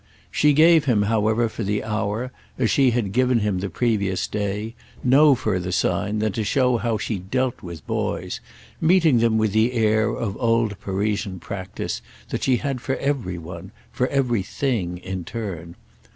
She gave him however for the hour, as she had given him the previous day, no further sign than to show how she dealt with boys; meeting them with the air of old Parisian practice that she had for every one, for everything, in turn.